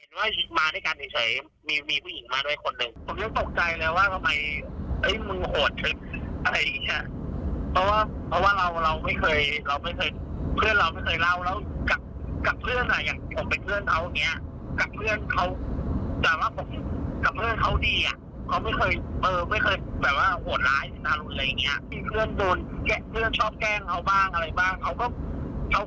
ก็มีคนแกะเพื่อนชอบแกล้งเขาบ้างอะไรบ้าง